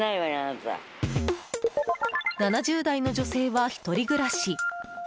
７０代の女性は１人暮らし。